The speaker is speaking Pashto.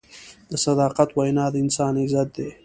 د صداقت وینا د انسان عزت دی.